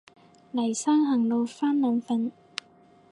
黎生行路返兩份